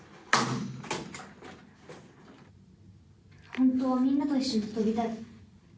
本当はみんなと一緒にとりたい。